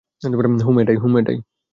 হুম, এটাই।